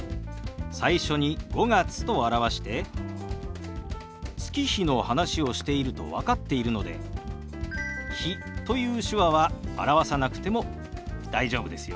最初に「５月」と表して月日の話をしていると分かっているので「日」という手話は表さなくても大丈夫ですよ。